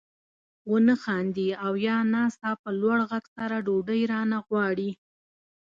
ونه خاندي او یا ناڅاپه لوړ غږ سره ډوډۍ وانه غواړي.